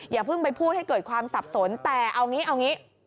อย่าเพิ่งไปพูดให้เกิดความสับสนแต่เอางี้เอางี้